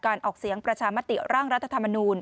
ออกเสียงประชามติร่างรัฐธรรมนูล